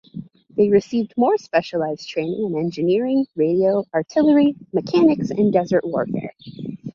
They received more specialised training in engineering, radio, artillery, mechanics and desert warfare.